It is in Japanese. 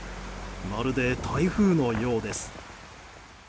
まるで台風のようです。